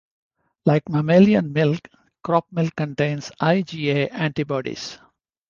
Like mammalian milk, crop milk contains IgA antibodies.